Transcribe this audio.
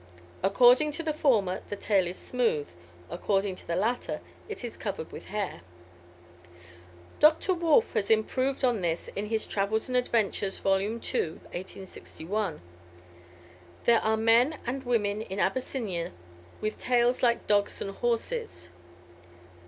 According to the former, the tail is smooth; according to the latter, it is covered with hair. Dr. Wolf has improved on this in his "Travels and Adventures," vol. ii. 1861. "There are men and women in Abyssinia with tails like dogs and horses."